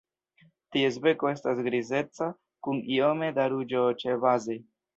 Ties beko estas grizeca kun iome da ruĝo ĉebaze.